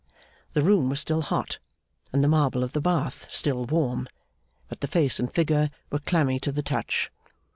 The room was still hot, and the marble of the bath still warm; but the face and figure were clammy to the touch.